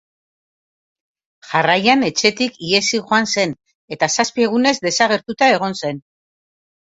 Jarraian etxetik ihesi joan zen eta zazpi egunez desagertuta egon zen.